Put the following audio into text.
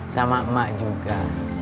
sama emak juga